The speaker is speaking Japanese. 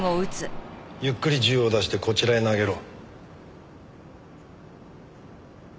ゆっくり銃を出してこちらへ投げろ。